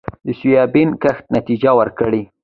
د سویابین کښت نتیجه ورکړې